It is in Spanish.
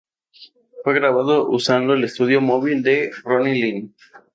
Fue grabado usando el estudio móvil de Ronnie Lane.